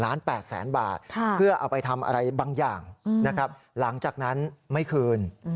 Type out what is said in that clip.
๘แสนบาทเพื่อเอาไปทำอะไรบางอย่างนะครับหลังจากนั้นไม่คืน